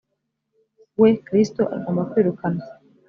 we kristo agomba kwirukanwa